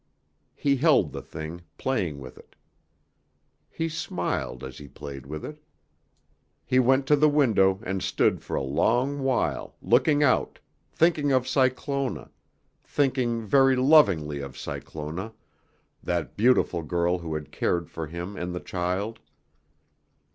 He held the thing, playing with it. He smiled as he played with it. He went to the window and stood for a long while, looking out, thinking of Cyclona, thinking very lovingly of Cyclona, that beautiful girl who had cared for him and the child.